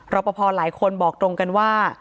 รอปภหลายคนบอกตรงกันว่า